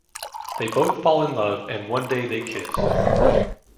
They both fall in love and one day they kiss.